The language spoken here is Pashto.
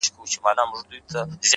• د کارګه په مخ کي وکړې ډیري غوري ,